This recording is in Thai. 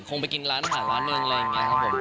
ไปกินร้านอาหารร้านหนึ่งอะไรอย่างนี้ครับผม